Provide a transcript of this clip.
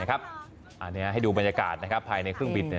อันนี้ให้ดูบรรยากาศภายในเครื่องบิน